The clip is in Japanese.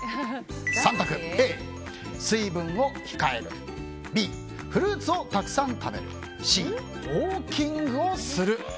３択、Ａ、水分を控えるＢ、フルーツをたくさん食べるＣ、ウォーキングをする。